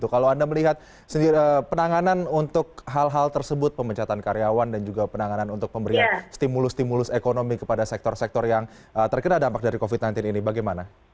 kalau anda melihat penanganan untuk hal hal tersebut pemecatan karyawan dan juga penanganan untuk pemberian stimulus stimulus ekonomi kepada sektor sektor yang terkena dampak dari covid sembilan belas ini bagaimana